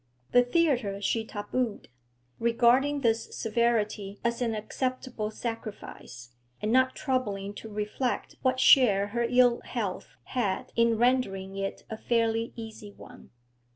The theatre she tabooed, regarding this severity as an acceptable sacrifice, and not troubling to reflect what share her ill health had in rendering it a fairly easy one.